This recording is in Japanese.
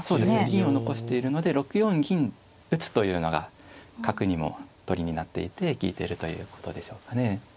銀を残しているので６四銀打というのが角にも取りになっていて利いてるということでしょうかね。